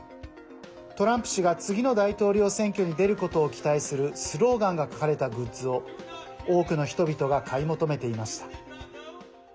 トランプ氏が、次の大統領選挙に出ることを期待するスローガンが書かれたグッズを多くの人々が買い求めていました。